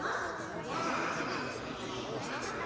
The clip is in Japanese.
じゃあ話が早いわ。